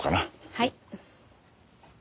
はい。